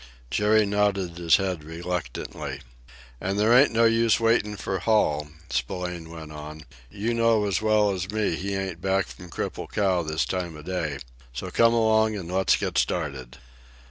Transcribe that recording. Jerry nodded his head reluctantly. "And there ain't no use waitin' for Hall," Spillane went on. "You know as well as me he ain't back from Cripple Cow this time of day! So come along and let's get started."